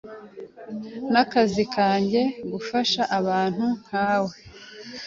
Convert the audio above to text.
Nakazi kanjye gufasha abantu nkawe.